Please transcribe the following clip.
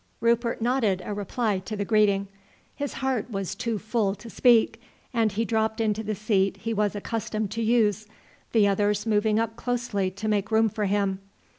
Rupert nodded a reply to the greeting. His heart was too full to speak, and he dropped into the seat he was accustomed to use, the others moving up closely to make room for him.